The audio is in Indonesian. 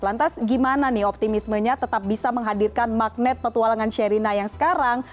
lantas gimana nih optimismenya tetap bisa menghadirkan magnet petualangan sherina yang sekarang